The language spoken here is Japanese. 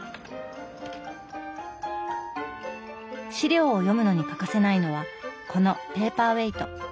資料を読むのに欠かせないのはこのペーパーウエイト。